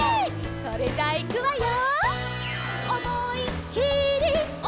それじゃいくわよ。